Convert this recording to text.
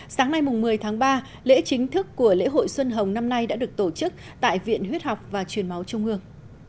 sáng nay một mươi tháng ba lễ chính thức của lễ hội xuân hồng năm nay đã được tổ chức tại viện huyết học và truyền máu trung ương